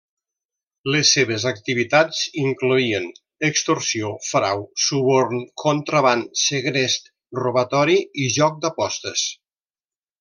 Les seves activitats incloïen extorsió, frau, suborn, contraban, segrest, robatori i joc d'apostes.